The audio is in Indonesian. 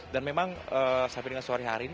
dan memang sampai dengan sore hari ini